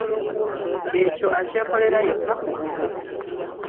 Ekyo akyekolera yekka ku bubwe.